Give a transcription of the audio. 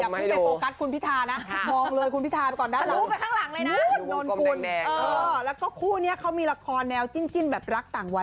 มีวงกลมให้ดูอย่าเพิ่งไปโฟกัสคุณพิทานะ